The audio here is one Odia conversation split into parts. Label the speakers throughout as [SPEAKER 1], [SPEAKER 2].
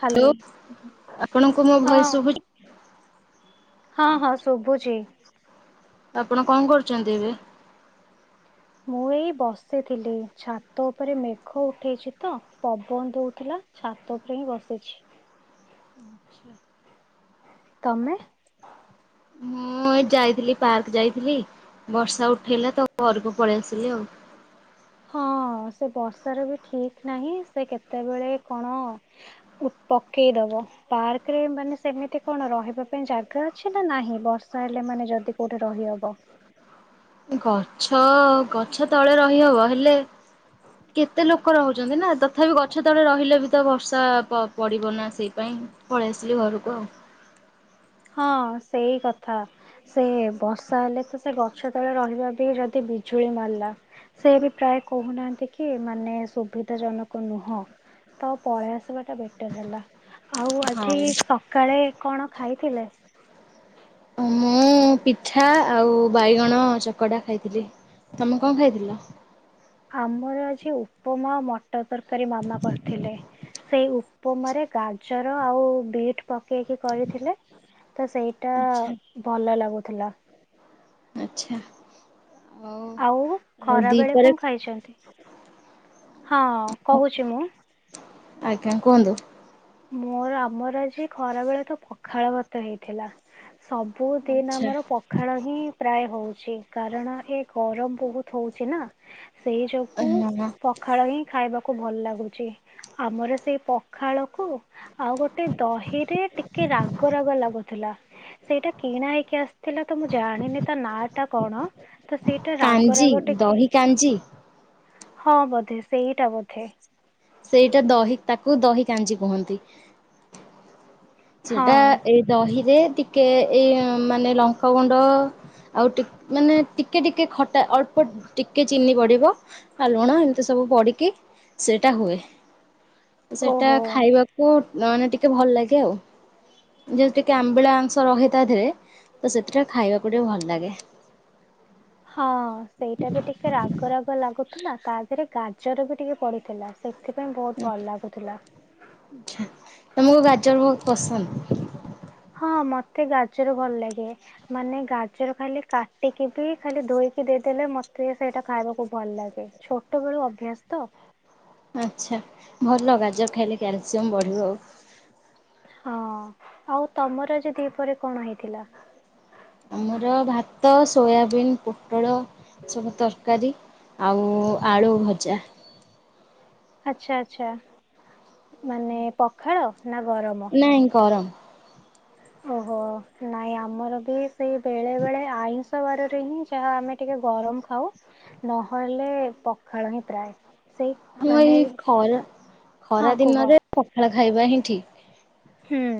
[SPEAKER 1] ହାଲୋ
[SPEAKER 2] ତୋ ଆପଣଙ୍କୁ ମୋ
[SPEAKER 1] ହଁ
[SPEAKER 2] ଭଏସ ଶୁଭୁଛି?
[SPEAKER 1] ହଁ ହଁ ଶୁଭୁଚି।
[SPEAKER 2] ଆପଣ କଣ କରୁଛନ୍ତି ଏବେ?
[SPEAKER 1] ମୁଁ ଏଇ ବସିଥିଲି। ଛାତ ଉପରେ ମେଘ ଉଠେଇଛି ତ ପବନଦଉଥିଲା ଛାତ ଉପରେ ହିଁ ବସିଛି।
[SPEAKER 2] [inaudible]
[SPEAKER 1] ତମେ?
[SPEAKER 2] ମୁଁ ଏ ଯାଇଥିଲି ପାର୍କ ଯାଇଥିଲି। ବର୍ଷା ଉଠେଇଲା ତ ଘରକୁ ପଳେଇ ଆସିଲି ଆଉ।
[SPEAKER 1] ହଁ ସେ ବର୍ଷ ର ବି ଠିକ ନାହିଁ ସେ କେତେବେଳେ କଣ ପକେଇଦବ ।ପାର୍କରେ ମାନେ ସେମିତି କଣ ରହିବା ପାଇଁ ଜାଗା ଅଛି ନା ନାହିଁ? ବର୍ଷା ହେଲେ ମାନେ ଯଦି କୋଉଠି ରହିହବ।
[SPEAKER 2] ଗଛ ଗଛ ତଳେ ରହିହବ। ହେଲେ କେତେ ଲୋକ ରହୁଛନ୍ତି ନା ତଥାପି ଗଛ ତଳେ ରହିଲେ ବି ତ ବର୍ଷା ପଡିବ ନା ସେଇପାଇଁ ପଳେଇ ଆସିଲି ଘରକୁ ଆଉ।
[SPEAKER 1] ହଁ ସେଇ କଥା ସେ ବର୍ଷା ହେଲେ ତ ସେ ଗଛ ତଳେ ରହିବା ବି ଯଦି ବିଜୁଳି ମାରିଲା। ସେ ବି ପ୍ରାୟ କହୁନାହାନ୍ତି କି ମାନେ ସୁବିଧା ଜନକ ନୁହଁ ତ ପଳେଇ ଆସିବା ଟା ବେଟର ହେଲା। ଆଉ ଆଜି
[SPEAKER 2] ହଁ।
[SPEAKER 1] ସକାଳେ କଣ ଖାଇ ଥିଲେ?
[SPEAKER 2] ମୁଁ ପିଠା ଆଉ ବାଇଗଣ ଚକଡା ଖାଇଥିଲି। ତମେ କଣ ଖାଇଥିଲ?
[SPEAKER 1] ଆମର ଆଜି ଉପମା, ମ ପଟ ତରକାରୀ ମାମା କରିଥିଲେ। ସେଇ ଉପମାରେ ଗାଜର, ଆଉ ବିଟ୍ ପକେଇକି କରିଥିଲେ ତ ସେଇଟା
[SPEAKER 2] ଆଚ୍ଛା।
[SPEAKER 1] ଭଲ ଲାଗୁଥିଲା।
[SPEAKER 2] ଆଚ୍ଛା।
[SPEAKER 1] ଆଉ
[SPEAKER 2] ଆଉ
[SPEAKER 1] ଖରା ବେଳେ
[SPEAKER 2] ଦିପରେ
[SPEAKER 1] କଣ ଖାଇଛନ୍ତି। ହଁ କହୁଛି ମୁଁ।
[SPEAKER 2] ଆଜ୍ଞା କୁହନ୍ତୁ।
[SPEAKER 1] ମୋର ଆମର ଆଜି ଖରା ବେଳେ ତ ପଖାଳ ଭାତ ହେଇଥିଲା। ସବୁଦିନ
[SPEAKER 2] ଆଚ୍ଛା
[SPEAKER 1] ଆମର ପଖାଳ ହିଁ ପ୍ରାୟ ହଉଛି କାରଣ ଏ ଗରମ ବହୁତ। ହଥଉଛି ନା। ସେଇ ଯୋଗୁ
[SPEAKER 2] ହ
[SPEAKER 1] ପଖାଳ ହିଁ ଖାଇବା। ଭଲ ଲାଗୁଛି ଆମର ସେଇ ପଖାଳ। ଆଉ ଗୋଟେ ଦହିରେ ଟିକେ ରାଗ ରାଗ ଲାଗୁଥିଲା ସେଇଟା କିଣା ହେଇକି ଆସିଥିଲା ତ ମୁଁ ଜାଣିନି ତା ନା ଟା କଣ। ତ ସେଇଟା ରାଗ
[SPEAKER 2] କାଞ୍ଜି
[SPEAKER 1] ରାଗ ଟିକେ
[SPEAKER 2] ଦହି କାଞ୍ଜି।
[SPEAKER 1] ହଁ ବୋଧେ ସେଇଟା ବୋଧେ।
[SPEAKER 2] ସେଇଟା ଦହି ତାକୁ ଦହି କାଞ୍ଜି କୁହନ୍ତି।
[SPEAKER 1] ହଁ
[SPEAKER 2] ସେଟା ଏଇ ଦହିରେ। ଟିକେ ଏଇ ମାନେ ଲଙ୍କା ଗୁଣ୍ଡ ଆଉ ମାନେ ଟିକେ ଟିକେ ଖଟା ଅଳ୍ପ ଟିକେ ଚିନି ପଡ଼ିବ ଆ ଲୁଣ ଏମିତି ସବୁ ପଡ଼ିକି ସେଇଟା ହୁଏ। ସେଟା
[SPEAKER 1] ଓହୋ।
[SPEAKER 2] ଖାଇବାକୁ ନହେନେ ଟିକେ ଭଲ ଲାଗେ ଆଉ ଯେତିକି ଆମ୍ବିଳା ଅଂଶ ରହେ ତା ଦେହରେ ତ ସେତେଟା ଖାଇବାକୁ ଟିକେ ଭଲ ଲାଗେ
[SPEAKER 1] ହଁ ସେଇଟା ବି ଟିକେ ରାଗ ରାଗ ଲାଗୁଥିଲା ତା ଦେହରେ ଗା ଜର ବି ଟିକେ ପଡ଼ିଥିଲା ସେ
[SPEAKER 2] ଆଛା ତମକୁ ଗାଜର ବହୁତ ପସନ୍ଦ ହ
[SPEAKER 1] ହଁ ମତେ ଗାଜର ଭଲ ଲାଗେ ମାନେ ଗାଜର ଖାଲି କାଟିକି ବି ଖାଲି ଧୋଇକି ଦେଇଦେଲେ ମତେ ସେଇଟା ଖାଇବାକୁ ଭଲ ଲାଗେ ଛୋଟ ବେଳୁ ଅଭ୍ୟାସ ତ
[SPEAKER 2] ଆଛା ଭଲ ଗାଜର ଖାଇଲେ କ୍ୟାଲସିୟମ ବଢିବ ଆଉ
[SPEAKER 1] ହଁ ଆଉ ତମର ଆଜି ଦିପହରେ କଣ ହେଇଥିଲା
[SPEAKER 2] ଆମର ଭାତ ସୋୟାବିନ୍ ପୋଟଳ ସବୁ ତରକାରୀ ଆଉ ଆଳୁ ଭଜା
[SPEAKER 1] ଆଛା ଆଛା ମାନେ ପଖାଳ ନା ଗରମ?
[SPEAKER 2] ନାଇଁ ଗରମ
[SPEAKER 1] ଓହୋ ନାଇଁ ଆମର ବି ସେଇ ବେଳେ ବେଳେ ଆଇଁଷ ବାରରେ ହିଁ ଯାହା ଆମେ ଟିକେ ଗରମ ଖାଉ ନହେଲେ ପଖାଳ ହିଁ ପ୍ରାୟ ସେଇ
[SPEAKER 2] ଆମ
[SPEAKER 1] ମାନେ
[SPEAKER 2] ଏଇ ଖରା
[SPEAKER 1] ହଁ
[SPEAKER 2] ଖରା
[SPEAKER 1] କୁହ
[SPEAKER 2] ଦିନରେ ପଖାଳ ଖାଏ। ଖାଇବା ହିଁ ଠିକ୍।
[SPEAKER 1] ହୁଁ।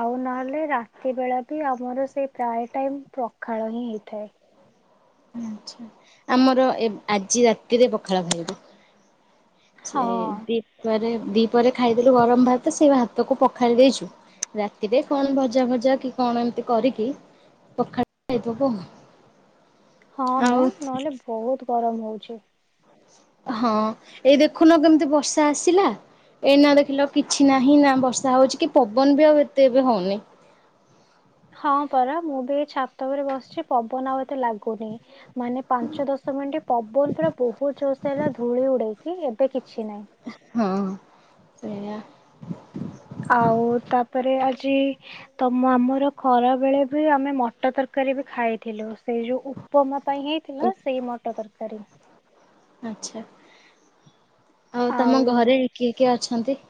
[SPEAKER 1] ଆଉ ନହେଲେ ରାତି ବେଳା ବି ଆମର ସେଇ ପ୍ରାୟ ଟାଇମ ପ୍ରଖାଳ ହିଁ ହେଇଥାଏ।
[SPEAKER 2] ଆଛା ଆମର ଏ ଆଜି ରାତିରେ ପଖାଳ ଖାଇଵୁ।
[SPEAKER 1] ହଁ
[SPEAKER 2] ସେଇ ଦୀପରେ। ଦିପହରେ ଖାଇଦେଲୁ ଗରମ ଭାତ ସେଇ ଭାତକୁ ପଖାାଳି ଦେଇଛୁ ରାତିରେ କଣ ଭଜା ଭଜା କରିକି କଣ ଏମିତି କରିକି ପଖାଳ ଖାଇ ଦବୁ ଆଉ।
[SPEAKER 1] ହଁ ମଁ ନହେଲେ ବହୁତ ଗରମ ହଉଛି।
[SPEAKER 2] ହଁ ଏଇ ଦେଖୁନ କେମିତି ବର୍ଷା ଆସିଲା ଏଇ ନା ଦେଖିଲ କିଛି ନାହିଁ ନା ବର୍ଷା ହଉଛି କି ପବନ ବି ଆଉ ଏତେ ଏବେ ହଉନି।
[SPEAKER 1] ହଁ ପରା ମୁଁ ବି ଛାତ ଉପରେ ବସିଛି ପବନ ଆଉ ଏତେ ଏତେ ଲାଗୁନି ମାନେ ପାଞ୍ଚ ଦଶ ମିନିଟ ପବନ ପୁରା ବହୁତ ଜୋର ସେ ହେଲା ଧୂଳି ଉଡେଇକି ଏବେ କିଛି ନାହିଁ।
[SPEAKER 2] ସେଆ [inaudible]
[SPEAKER 1] ଆଉ ତାପରେ ଆଜି ତମ ଆମର ଖରା ବେଳେ ବି ଆମେ ମ ମଟର ତରକାରୀ ବି ଖାଇଥିଲୁ, ସେଇ ଯୋଉ ଉପମା ପାଇଁ ହେଇଥିଲା ସେଇ ମଟର ତରକାରୀ
[SPEAKER 2] ଆଚ୍ଛା ଆଉ ତମ ଘରେ କିଏ କିଏ ଅ ଅଛନ୍ତି [inaudible]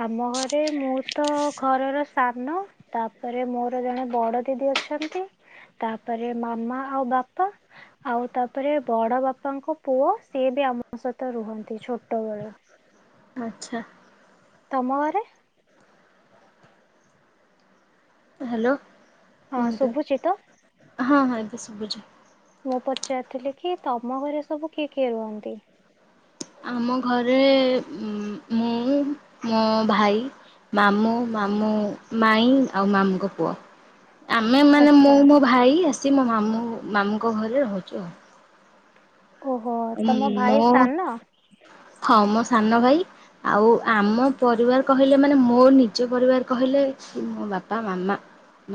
[SPEAKER 1] ଆମ ଘରେ ମୁଁ ତ ଘରର ସା ନ ତାପରେ ମୋର ଜଣେ ବଡ ଦିଦି ଅଛନ୍ତି, ତାପରେ ମାମା ଆଉ ବାପା ଆଉ ତାପରେ ବଡ ବାପାଙ୍କ ପୁଅ ସିଏ ବି ଆମ ସହିତ ତ ରୁହନ୍ତି ଛୋଟବେେଳୁ
[SPEAKER 2] ଆଚ୍ଛା
[SPEAKER 1] ତମ ଘରେ [inaudible]
[SPEAKER 2] ହ୍ୟାଲୋ
[SPEAKER 1] ହଁ
[SPEAKER 2] କୁହନ୍ତୁ।
[SPEAKER 1] ଶୁଭୁଚିତ
[SPEAKER 2] ହଁ ହଁ ଏବେ ଶୁବୁଛି।
[SPEAKER 1] ମୁଁ ପଚାରିଥିଲି କି ତମ ଘରେ ସବୁ କିଏ କିଏ ରୁହନ୍ତି।
[SPEAKER 2] ଆମ ଘରେ ମୁଁ ମୋ ଭାଇ, ମାମୁଁ ମାମୁଁ ମାଇଁ, ଆଉ ମାମୁଁଙ୍କ ପୁଅ। ଆମେ ମାନେ ମୁଁ
[SPEAKER 1] ଆଚ୍ଛା
[SPEAKER 2] ମୋ ଭାଇ ଆସି ମୋ ମାମୁଁ ମାମୁଙ୍କ ଘରେ ରହୁଛୁ। [inaudible]
[SPEAKER 1] ଓହୋ
[SPEAKER 2] ହୁଁ
[SPEAKER 1] ତମ
[SPEAKER 2] ମୋ
[SPEAKER 1] ଭାଇ ସାନ?
[SPEAKER 2] [inaudible] ହଁ ମୋ ସାନ ଭାଇ ଆଉ ଆମ ପରିବାର କହିଲେ ମାନେ ମୋ ନିଜ ପରିବାର କହିଲେ ମୋ ବାପା ମାମା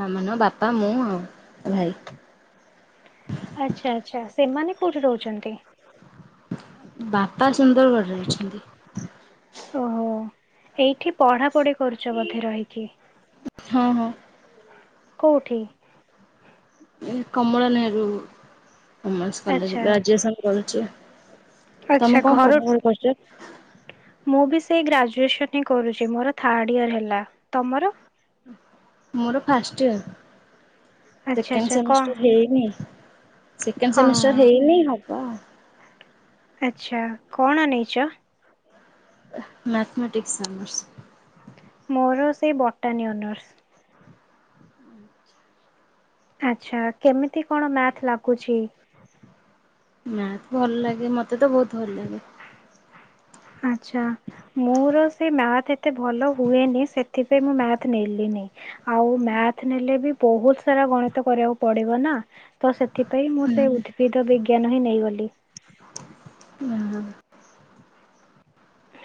[SPEAKER 2] ମାମନ ବାପା ମୁଁ ଆଉ ଭାଇ।
[SPEAKER 1] ଆଚ୍ଛା ଆଚ୍ଛା ସେମାନେ କୋଉଠି ରହୁଛନ୍ତି?
[SPEAKER 2] ବାପା ସୁନ୍ଦରଗଡ଼ରେ ଅଛନ୍ତି। [inaudible]
[SPEAKER 1] ଓହୋ ଏଇଠି ପଢା ପଢି କରୁଛ ବୋଧେ ରହିକି?
[SPEAKER 2] ହଁ ହଁ।
[SPEAKER 1] କୋଉଠି? [inaudible]
[SPEAKER 2] ଏ କମଳ ନେରୁ। [inaudible] ଓମେନ୍ସ କଲେଜ
[SPEAKER 1] ଆଚ୍ଛା
[SPEAKER 2] ଗ୍ରାଜୁଏସନ୍ କରୁଚି।
[SPEAKER 1] ଆଚ୍ଛା
[SPEAKER 2] ତମେ କଣ
[SPEAKER 1] ଘର
[SPEAKER 2] ପଢ଼ା ପଢୀ କରିଛ?
[SPEAKER 1] ମୁଁ ବି ସେଇ ଗ୍ରାଜୁଏସନ ହିଁ କରୁଚି ମୋର ଥାର୍ଡ ଇଅର ହେଲା ତମର
[SPEAKER 2] [inaudible] ମୋର ଫାଷ୍ଟ ଇୟର।
[SPEAKER 1] ଆଚ୍ଛା ଆଚ୍ଛା
[SPEAKER 2] ସେକେଣ୍ଡ
[SPEAKER 1] କଣ
[SPEAKER 2] ସେମିଷ୍ଟର ହେଇନି ସେକେଣ୍ଡ ସେମିଷ୍ଟର
[SPEAKER 1] ହଁ
[SPEAKER 2] ହେଇନି ହ ୱାଓ [inaudible]
[SPEAKER 1] ଆଛା କଣ ନେଇଛ?
[SPEAKER 2] Mathematics honours.
[SPEAKER 1] ମୋର ସେ ଆଛା କେମିତି କଣ ମ୍ୟାଥ ଲାଗୁଛି?
[SPEAKER 2] ମ୍ୟାଥ ଭଲ ଲାଗେ। ମତେ ତ ବହୁତ ଭଲ ଲାଗେ।
[SPEAKER 1] ଆଛା, ମୋର ସେ ମ୍ୟାଥ ଏତେ ଭଲ ହୁଏନି ସେଥି ତ ସେଥିପାଇଁ ମୁଁ ସେ ଉଦ୍ଭିଦ ବିଜ୍ଞାନ ହିଁ ନେଇଗଲି।
[SPEAKER 2] ହୁଁ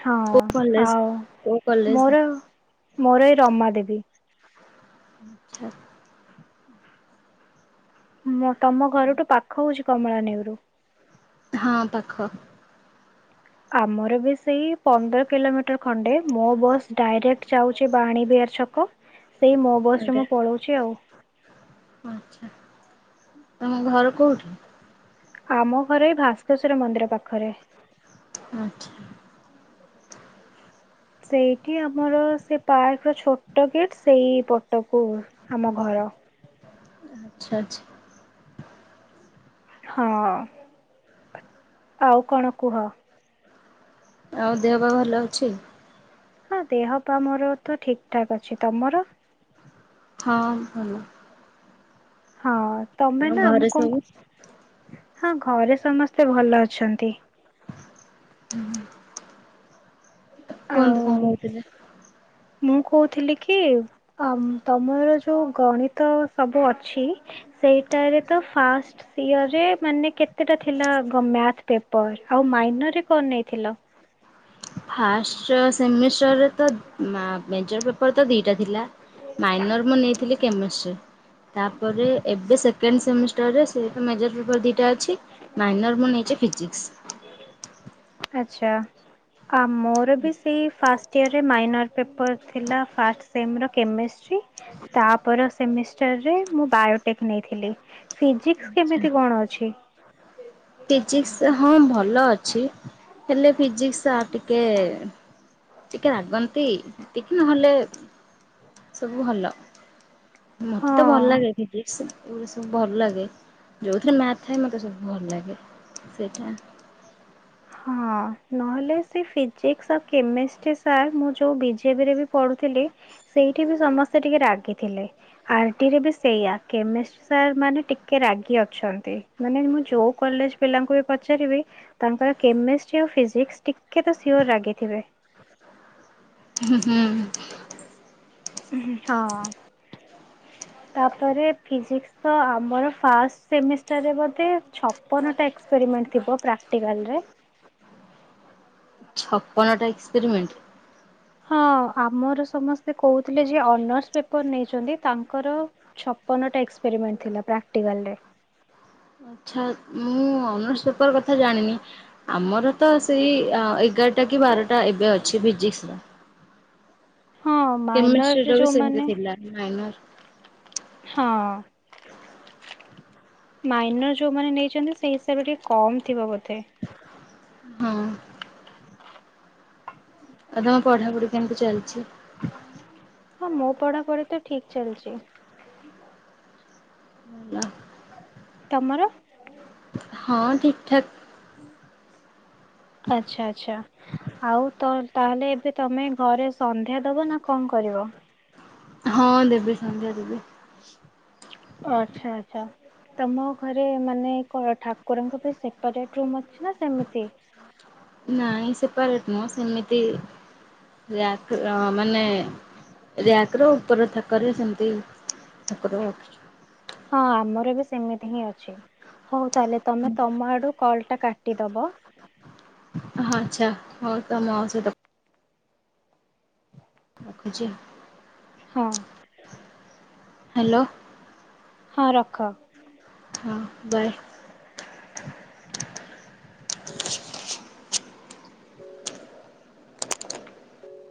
[SPEAKER 1] ହଁ
[SPEAKER 2] କୋଉ କଲେଜ
[SPEAKER 1] ଆଉ
[SPEAKER 2] କୋଉ କଲେଜ?
[SPEAKER 1] ମୋର ମୋର ଏଇ ରମା ଦେବୀ।
[SPEAKER 2] ଆଛା।
[SPEAKER 1] ମୁଁ ତମ ଘରଠୁ ପାଖ ହଉଛି କମଳାନେଉରୁ।
[SPEAKER 2] ଖ।
[SPEAKER 1] ଆମର ବି ସେଇ ପନ୍ଦର କିଲୋମିଟର ଖଣ୍ଡେ ।ମୋ ବସ ଡାଇରେକ୍ଟ ଯାଉଛି ବାଣୀ ବିହାର ଛକ ସେଇ ମୋ ବସ ରେ ମୁଁ ପଳଉଛି ଆଉ।
[SPEAKER 2] ଆଛା ତମ ଘର କୋଉଠି?
[SPEAKER 1] ଆମ ଘର ଏଇ ଭାସ୍କେଶ୍ଵର ମନ୍ଦିର ପାଖରେ।
[SPEAKER 2] ଆଚ୍ଛା।
[SPEAKER 1] ସେଇଠି ଆମର ସେ ପାର୍କ ପୁରା ଛୋଟ ଗେଟ ସେଇ ପଟକୁ ଆମ ଘର।
[SPEAKER 2] ଆଚ୍ଛା ଆଚ୍ଛା।
[SPEAKER 1] ହଁ ଆଉ କଣ କୁହ?
[SPEAKER 2] ଆଉ ଦେହ ପା ଭଲ ଅଛି?
[SPEAKER 1] ହଁ ଦେହ ପା ମୋର ତ ଠିକ ଠାକ ଅଛି। ତମର?
[SPEAKER 2] ହଁ ଭଲ।
[SPEAKER 1] ହଁ। ତମେ
[SPEAKER 2] ଆଉ
[SPEAKER 1] ନା ମୁଁ
[SPEAKER 2] ଘରେ
[SPEAKER 1] କଣ କ
[SPEAKER 2] ସବୁ
[SPEAKER 1] ହଁ ଘରେ ସମସ୍ତେ ଭଲ ଅଛନ୍ତି।
[SPEAKER 2] ହୁଁ।
[SPEAKER 1] ଆଉ
[SPEAKER 2] କୁହନ୍ତୁ କଣ କହୁଥିଲେ?
[SPEAKER 1] ମୁଁ କହୁଥିଲି କି ତମର ଯୋଉ ଗଣିତ ସବୁ ଅଛି ସେଇଟାରେ ତ ଫାଷ୍ଟ ଇଅରେ ମାନେ କେତେଟା ଥିଲା ମ୍ୟାଥ ପେପର? ଆଉ ମାଇନରରେ କଣ ନେଇଥିଲ?
[SPEAKER 2] ଫାଷ୍ଟ ସେମିଷ୍ଟରରେ ତ ମେଜର ପେପର ତ ଦିଟା ଥିଲା ମାଇନର ମୁଁ ନେଇଥିଲି କେମିଷ୍ଟ୍ରି ତାପରେ ଏବେ ସେକେଣ୍ଡ ସେମିଷ୍ଟରରେ ସେଟା ମେଜର ପେପର ଦୁଇଟା ଅଛି। ମାଇନର ମୁଁ ନେଇଛି ଫିଜିିକ୍ସ।
[SPEAKER 1] ଆଚ୍ଛା। ଆ ମୋର ବି ସେଇ ଫାଷ୍ଟ ଇୟରରେ ମାଇନର୍ ପେପର୍ ଥିଲା ଫାର୍ଷ୍ଟ ସେମର କେମେଷ୍ଟ୍ରୀ, ତାପର ସେମିଷ୍ଟାର ରେ ମୁଁ ବାୟୋଟେକ୍ ନେଇଥିଲି। ଫିଜିକ୍ସ କେମିତି କଣ ଅଛି? ହଁ।
[SPEAKER 2] ଫିଜିକ୍ସ ହଁ ଭଲ ଅଛି। ହେଲେ ଫିିଜିକ୍ସ ଟିକେ ଟିକେ ରାଗନ୍ତି ଟିକେ ନହେଲେ ସବୁ ଭଲ। ମତେ
[SPEAKER 1] ହଁ
[SPEAKER 2] ତ ଭଲ ଲାଗେ ଫିଜିକ୍ସ । ଏଗୁରା ସବୁ ଭଲ ଲାଗେ ଯୋଉଥିରେ ମ୍ୟାଥ ଥାଏ ମତେ ସବୁ ଭଲ ଲାଗେ ସେଇଟା।
[SPEAKER 1] ହଁ ନହେଲେ ସେ ଫିଜିକ୍ସ ଆଉ କେମିଷ୍ଟ୍ରି ସାର୍ ମୁଁ ଯୋଉ ବିଜେବିରେ ବି ପଢୁ ଥିଲି ସେଇଠି ବି ସମସ୍ତେ ଟିକେ ରାଗି ଥିଲେ। ଆରଟି ରେ ବି ସେଇୟା କେମିଷ୍ଟ୍ରୀ ସାରମାନେ ଟିକେ ରାଗି ଅଛନ୍ତି ।ମାନେ ମୁଁ ଯୋଉ କଲେଜ ପିଲାଙ୍କୁ ବି ପଚାରିବି ତାଙ୍କର କେମେଷ୍ଟ୍ରି ଆଉ ଫିଜିକ୍ସ ଟିକ କେ ତ ସିଓର ରାଗିଥିବେ।
[SPEAKER 2] ହୁଁ ହୁଁ
[SPEAKER 1] ହଁ -ତାପରେ ଫିଜିକ୍ସ ତ ଆମର ଫାଷ୍ଟ ସେମିଷ୍ଟରେ ବୋଧେ ଛପନ ଟା ଏକ୍ସପେରିମେଣ୍ଟ ଥିବ ପ୍ରାକଟିକାଲରେ
[SPEAKER 2] ଛପନ ଟା ଏକ୍ସପେରିିମେଣ୍ଟ?
[SPEAKER 1] ହଁ ଆମର ସମସ୍ତେ କହୁଥିଲେ ଯ ଅନର୍ସ ପେପର ନେଇଛନ୍ତି ତାଙ୍କର ଛପନଟା ଏକ୍ସପେରିମେଣ୍ଟ ଥିଲା ପ୍ରାକଟିକାଲରେ।
[SPEAKER 2] ଆଛା ମୁଁ ଅନର୍ସ ପେପର କଥା ଜାଣିନି ଆମର ତ ସେଇ ଏଗାରଟା କି ବାରଟା ଏବେ ଅଛି ଫିଜିକ୍ସ ର।
[SPEAKER 1] ହଁ
[SPEAKER 2] କେମେଷ୍ଟ୍ରି
[SPEAKER 1] ମାଇନରରେ
[SPEAKER 2] ର ବି ସେମତି
[SPEAKER 1] ଯୋଉମାନେ
[SPEAKER 2] ଥିଲା ନାଇନ
[SPEAKER 1] ହଁ। ମାଇନ ଯୋଉମାନେ ନେଇଛନ୍ତି। ସେଇ ହିସାବରେ ଟିକେ କମ ଥିବ ବୋଧେ।
[SPEAKER 2] ହଁ। ଆଉ ତମ ପଢାପଢି କେମିତି ଚାଲିଛି?
[SPEAKER 1] ମୋ ପଢା ପଢ଼ି ତ ଠିକ ଚାଲଛି।
[SPEAKER 2] ଆ
[SPEAKER 1] ତମର?
[SPEAKER 2] ହଁ ଠିକ ଠାକ
[SPEAKER 1] ଆଛା ଆଛା ଆଉ ତାହଲେ ଏବେ ତମେ ଘରେ ସନ୍ଧ୍ୟା ଦବ ନା କଣ କରିବ?
[SPEAKER 2] ହଁ ଦେବି ସନ୍ଧ୍ୟା ଦେବି।
[SPEAKER 1] ଆଚ୍ଛା ଆଛା ତମ ଘରେ ମାନେ କଣ ଠାକୁରଙ୍କ ପାଇଁ ସେପାରେଟ ରୁମ ଅଛି ନା ସେମିତି
[SPEAKER 2] ନାଇଁ ସେପାରେଟ ନୁହଁ ସେମିତି ର୍ୟାକ ମାନେଗର ରାୟକ ଉପର ଥାକର ସେମତି ଥାକରେ ଅଛି।
[SPEAKER 1] ହଁ ଆମର ବି ସେମିତି ହିଁ ଅଛି ହଉ। ତାହେଲେ ତମେ ତମ ଆଡୁ କଲ ଟା କାଟିଦବ।
[SPEAKER 2] ହଁ ଆଚ୍ଛା ହଉ ତ ଆମେ ଆଛେ ତ ରଖଛି।
[SPEAKER 1] ହଁ।
[SPEAKER 2] ହ୍ୟାଲୋ
[SPEAKER 1] ହଁ ରଖ।
[SPEAKER 2] ହଁ ବାଏ।